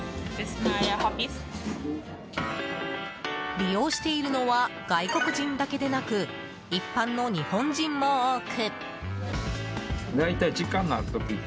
利用しているのは外国人だけでなく一般の日本人も多く。